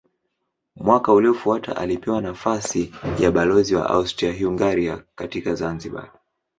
Mwaka uliofuata alipewa nafasi ya balozi wa Austria-Hungaria katika Zanzibar.